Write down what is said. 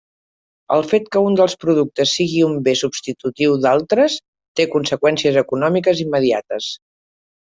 El fet que un dels productes sigui un bé substitutiu d'altres té conseqüències econòmiques immediates.